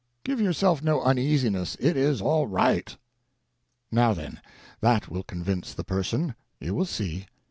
Give yourself no uneasiness ; it is all right/' Now then, that will convince the Person. You will see.